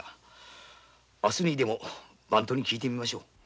明日にでも番頭に聞いてみましょう。